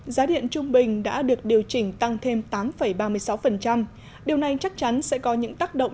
giá điện trung bình đã được điều chỉnh tăng thêm tám ba mươi sáu điều này chắc chắn sẽ có những tác động